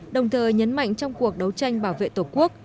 đồng thời nhấn mạnh trong cuộc đấu tranh bảo vệ tổ quốc